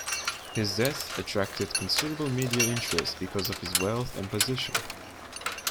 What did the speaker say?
His death attracted considerable media interest because of his wealth and position.